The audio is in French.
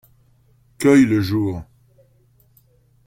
Cueille le jour.